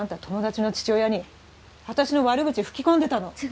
友達の父親に私の悪口吹き込んでたの？